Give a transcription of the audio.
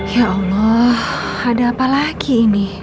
ya allah ada apa lagi ini